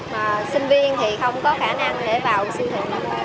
mà sinh viên thì không có khả năng để vào siêu thị